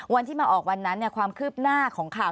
วันที่มาออกวันนั้นความคืบหน้าของข่าว